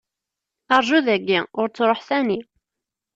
Rju dayi, ur ttruḥ sani.